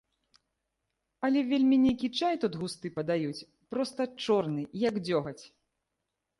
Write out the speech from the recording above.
Але вельмі нейкі чай тут густы падаюць, проста чорны, як дзёгаць.